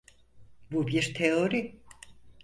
Bu bir teori.